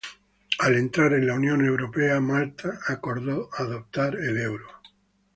Al entrar en la Unión Europea, Malta acordó adoptar el euro.